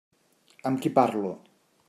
Amb qui parlo?